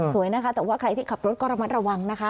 สวยนะคะแต่ว่าใครที่ขับรถก็ระมัดระวังนะคะ